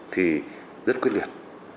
thì rất quyết liệt